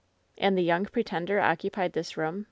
"And the Young Pretender occupied this room